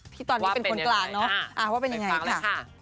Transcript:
ที่ตอนนี้เป็นคนกลางเนาะว่าเป็นยังไงค่ะ